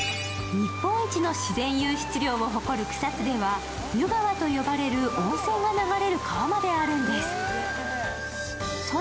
日本一の自然湧出量を誇る草津では湯川と呼ばれる温泉が流れる川まであるんです。